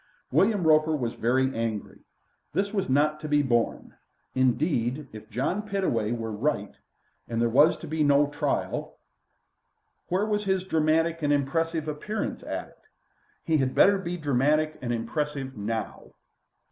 William Roper was very angry. This was not to be borne. Indeed, if John Pittaway were right, and there was to be no trial, where was his dramatic and impressive appearance at it? He had better be dramatic and impressive now.